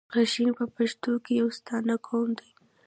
غرشین په پښتنو کښي يو ستانه قوم دﺉ.